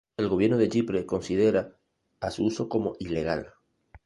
El gobierno de Chipre considera a su uso como Ilegal.